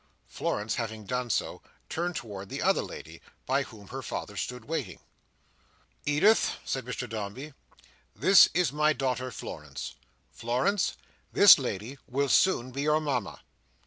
Florence having done so, turned towards the other lady, by whom her father stood waiting. "Edith," said Mr Dombey, "this is my daughter Florence. Florence, this lady will soon be your Mama."